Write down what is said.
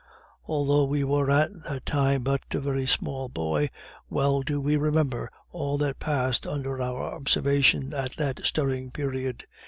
Although we were at that time but a very small boy, well do we remember all that passed under our observation at that stirring period.